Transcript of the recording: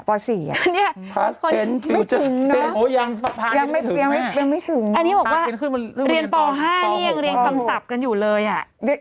ปสี่อ่ะพัสเซ็นต์ไม่ถึงเนอะยังไม่ถึงนี่บอกว่าเรียนปห้าเรียนศัพท์กันอยู่เลยอ่ะ